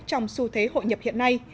trong xu thế hội nhập hiện nay